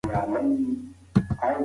رښتیا لارې سموي.